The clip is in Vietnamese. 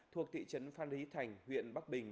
thuộc thị trấn phan hí thành huyện bắc bình